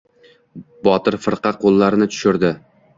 Botir firqa qo‘llarini tushirdi.